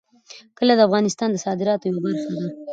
کلي د افغانستان د صادراتو یوه برخه ده.